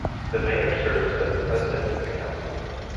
The mayor serves as the president of the council.